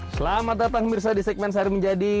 selamat datang mirsa di segmen sehari menjadi